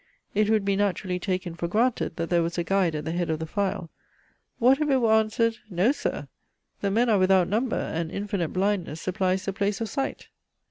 It would be naturally taken for granted, that there was a guide at the head of the file: what if it were answered, No! Sir, the men are without number, and infinite blindness supplies the place of sight?